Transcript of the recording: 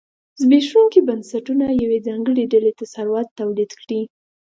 زبېښونکي بنسټونه یوې ځانګړې ډلې ته ثروت تولید کړي.